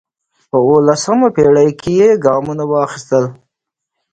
په اوولسمه پېړۍ کې یې ګامونه واخیستل